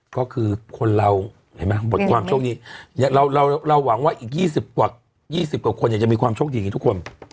ก็คือคนเราเห็นไหมบทความโชคดีเราหวังว่าอีก๒๐กว่า๒๐กว่าคนจะมีความโชคดีอย่างนี้ทุกคน